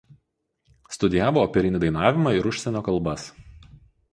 Studijavo operinį dainavimą ir užsienio kalbas.